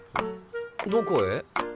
どこへ？